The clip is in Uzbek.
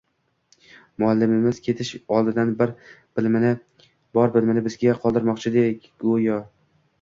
Muallimimiz ketish oldidan bor bilimini bizga qoldirmoqchidek edi, go`yo